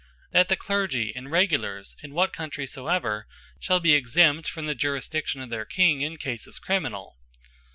That the Clergy, and Regulars, in what Country soever, shall be exempt from the Jurisdiction of their King, in cases criminall?